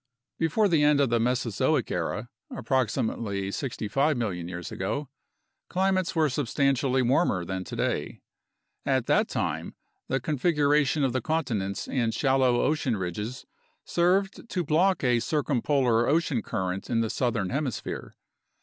Before the end of the Mesozoic era (approximately 65 million years ago) climates were substantially warmer than today. At that time, the configuration of the continents and shallow ocean ridges served to block a circumpolar ocean current in the southern hemisphere.